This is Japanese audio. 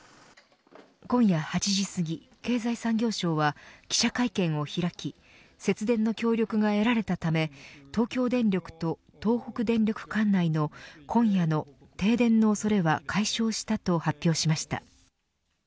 今夜８時すぎ、経済産業省は記者会見を開き節電の協力が得られたため東京電力と東北電力管内の今夜の停電の恐れは解消したと発表しました。